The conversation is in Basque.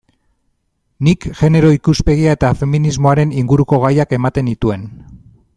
Nik genero ikuspegia eta feminismoaren inguruko gaiak ematen nituen.